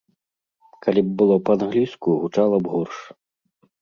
Калі б было па-англійску, гучала б горш.